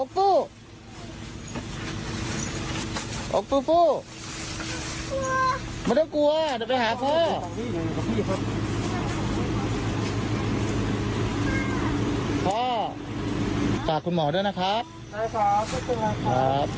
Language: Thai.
ฝากคุณหมอด้วยนะครับ